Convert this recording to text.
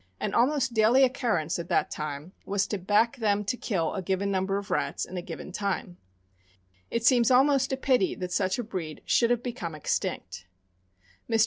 An almost daily occurrence, at that time, was to back them to kill a given number of rats in a given time. It seems almost a pity that such a breed should have become extinct. Mr. 440 THE AMERICAN BOOK OF THE DOG.